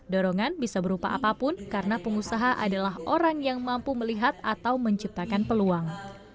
dorongan bisa berupa apapun karena pengusaha adalah orang yang mampu melihat atau menciptakan peluang